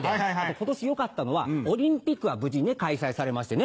今年良かったのはオリンピックが無事開催されましてね。